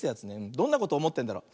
どんなことおもってんだろう。